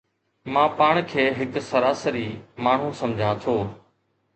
مان پاڻ کي هڪ سراسري ماڻهو سمجهان ٿو